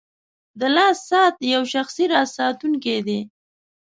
• د لاس ساعت یو شخصي راز ساتونکی دی.